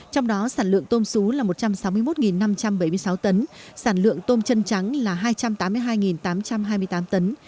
trong đó sản lượng tôm xú là một trăm sáu mươi một năm trăm bảy mươi sáu tấn sản lượng tôm chân trắng là hai trăm tám mươi hai tám trăm hai mươi tám tấn